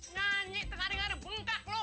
nganyi tengari ngari bengkak lu